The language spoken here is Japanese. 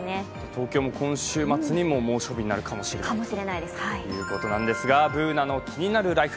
東京も今週末にも猛暑日にもなるかもしれないということですが、「ＢｏｏｎａのキニナルＬＩＦＥ」。